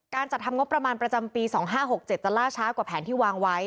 จัดทำงบประมาณประจำปี๒๕๖๗จะล่าช้ากว่าแผนที่วางไว้